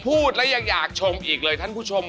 พูดแล้วยังอยากชมอีกเลยท่านผู้ชม